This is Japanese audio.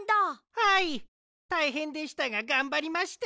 はいたいへんでしたががんばりました。